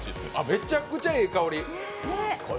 めちゃくちゃええ香り。